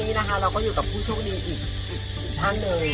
นี่นะคะเราอยู่กับผู้โชคดีอีกทั้งหนึ่ง